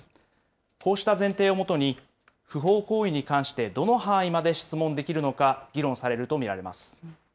こうした前提をもとに、不法行為に関してどの範囲まで質問できるのか議論されると見られます。